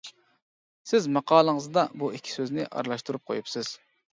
سىز ماقالىڭىزدا بۇ ئىككى سۆزنى ئارىلاشتۇرۇپ قويۇپسىز.